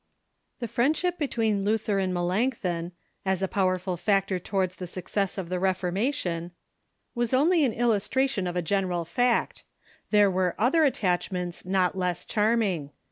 The friendship between Luther and Melanchthon, as a pow erful factor towards the success of the Reformation, was only an illustration of a general fact. There were other attach ments not less charming.